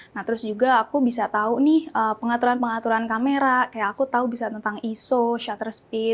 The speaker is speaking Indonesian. nah terus juga aku bisa tahu nih pengaturan pengaturan kamera kayak aku tahu bisa tentang iso shutter speed